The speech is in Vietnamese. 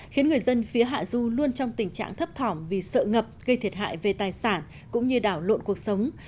khiến người dân phía hạ du luôn trong tình trạng thấp thỏm vì sợ ngập gây thiệt hại về tài sản cũng như đảo lộn cuộc sống